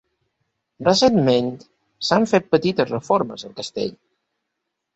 Recentment, s'han fet petites reformes al castell.